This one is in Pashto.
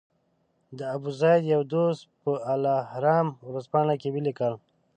د ابوزید یو دوست په الاهرام ورځپاڼه کې ولیکل.